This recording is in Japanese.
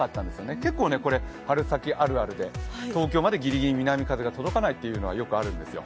結構春先あるあるで東京まで南風が届かないということがあるんですよ。